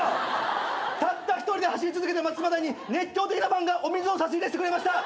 たった一人で走り続けてる松島大に熱狂的なファンがお水を差し入れしてくれました！